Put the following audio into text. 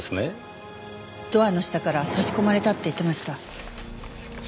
ドアの下から差し込まれたって言ってました。